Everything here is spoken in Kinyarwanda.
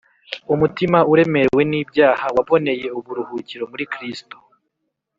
umutima uremerewe n’ibyaha waboneye uburuhukiro muri kristo